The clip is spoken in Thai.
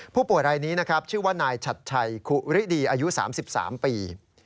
ผู้ป่วยรายนี้นะครับชื่อว่านายชัดชัยคุริดีอายุ๓๓ปี